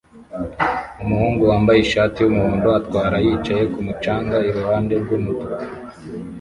Umuhungu wambaye ishati yumuhondo atwara yicaye kumu canga kuruhande rwumutuku